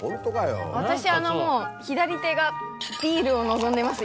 私あのもう左手がビールを望んでます